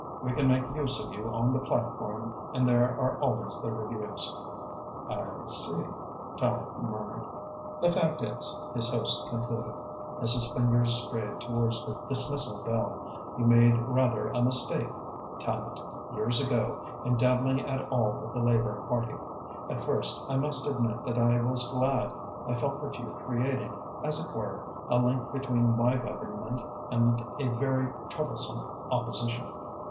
We can make use of you on the platform and there are always the reviews." "I see," Tallente murmured. "The fact is," his host concluded, as his fingers strayed towards the dismissal bell, "you made rather a mistake, Tallente, years ago, in dabbling at all with the Labour Party. At first, I must admit that I was glad. I felt that you created, as it were, a link between my Government and a very troublesome Opposition.